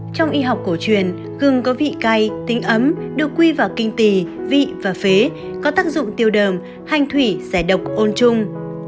trong y học cổ truyền gừng có vị cay tính ấm được quy vào kinh tì vị và phế có tác dụng tiêu đờm hanh thủy giải độc ôn trung